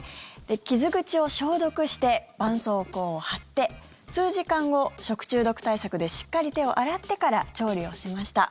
傷口を消毒してばんそうこうを貼って数時間後、食中毒対策でしっかり手を洗ってから調理をしました。